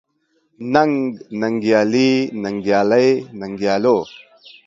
ننګ، ننګيالي ، ننګيالۍ، ننګيالو ،